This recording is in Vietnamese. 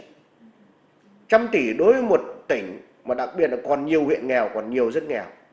một trăm tỷ đối với một tỉnh mà đặc biệt là còn nhiều huyện nghèo còn nhiều rất nghèo